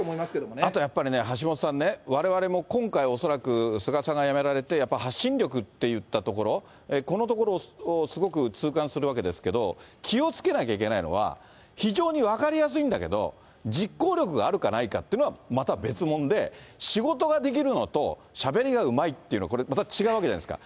あとやっぱりね、橋下さんね、われわれも今回、恐らく菅さんが辞められて、発信力っていったところ、このところをすごく痛感するわけですけど、気をつけなきゃいけないのは、非常に分かりやすいんだけど、実行力があるかないかっていうのは、また別もんで、仕事ができるのと、しゃべりがうまいっていうの、これ、また違うわけじゃないですか。